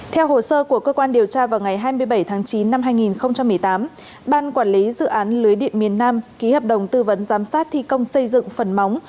theo hồ sơ của cơ quan điều tra vào ngày hai mươi bảy tháng chín năm hai nghìn một mươi tám ban quản lý dự án lưới điện miền nam ký hợp đồng tư vấn giám sát thi công xây dựng phần móng